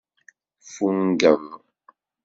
Ffungeḍ.